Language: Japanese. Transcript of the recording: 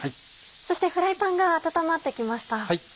そしてフライパンが温まって来ました。